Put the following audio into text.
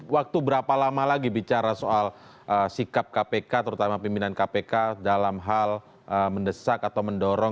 waktu berapa lama lagi bicara soal sikap kpk terutama pimpinan kpk dalam hal mendesak atau mendorong